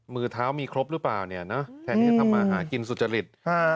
มือเท้ามีครบหรือเปล่าเนี่ยนะแทนที่จะทำมาหากินสุจริต